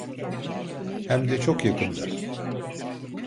Hem de çok yakında.